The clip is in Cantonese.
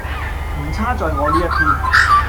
唔差在我呢一篇～